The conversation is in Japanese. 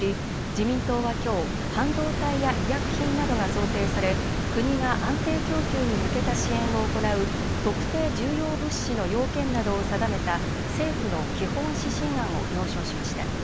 自民党はきょう半導体や医薬品などが想定され国が安定供給に向けた支援を行う特定重要物資の要件などを定めた政府の基本指針案を了承しました。